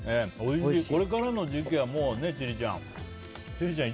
これからの時期はもうね千里ちゃん千里ちゃん